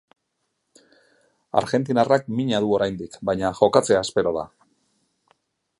Argentinarrak mina du oraindik, baina jokatzea espero da.